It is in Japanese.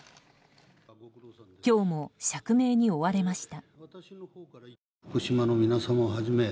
今日も釈明に追われました。